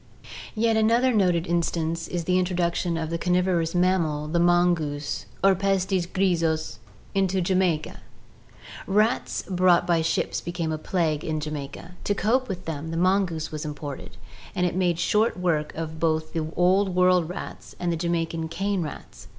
Yet another noted instance is the introduction of the carnivorous mammal, the mongoose (Herpestes griseus) into Jamaica. "Rats brought by ships became a plague in Jamaica. To cope with them the mongoose was imported, and it made short work both of the Old World rats and the Jamaican cane rats.